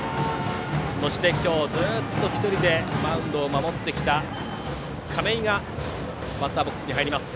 そして今日、ずっと１人でマウンドを守ってきた亀井がバッターボックスに入ります。